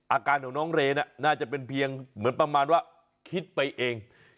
อาการของน้องเรนน่าจะเป็นเพียงเหมือนประมาณว่าคิดไปเอง